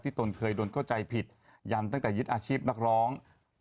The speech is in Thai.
ตนเคยโดนเข้าใจผิดยันตั้งแต่ยึดอาชีพนักร้อง